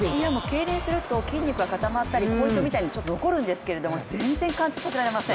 けいれんすると筋肉が固まったり、後遺症が残るんですけれども、全然感じさせられません。